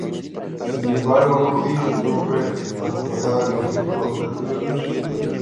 Sin embargo, Rudy no fue traspasado a ningún equipo durante la noche del draft.